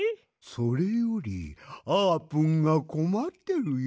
それよりあーぷんがこまってるようだけど？